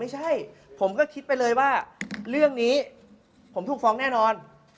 ไม่ใช่ผมก็คิดไปเลยว่าเรื่องนี้ผมถูกฟ้องแน่นอน